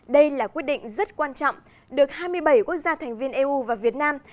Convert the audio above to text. đây là quyết định rất quan trọng được hai mươi bảy quốc gia thành viên eu và việt nam